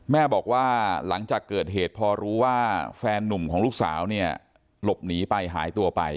แม่บอกว่าหลังจากเกิดเหตุพอรู้ว่าแฟนนุ่มของลูกสาวเนี่ยหลบหนีไปหายตัวไป